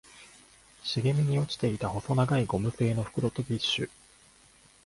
茂みに落ちていた細長いゴム製の袋とティッシュ